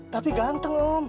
tapi ganteng om